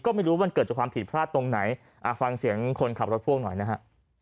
ก็ไม่รู้มันเกิดจากความผิดพลาดตรงไหนฟังเสียงคนขับรถพ่วงหน่อยนะฮะ